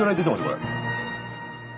これ。